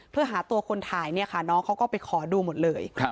เพื่อหาตัวคนถ่ายเนี่ยค่ะน้องเขาก็ไปขอดูหมดเลย